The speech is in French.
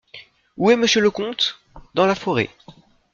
Où est Monsieur le comte ? Dans la forêt.